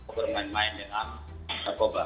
bahwa hukuman main main dengan narkoba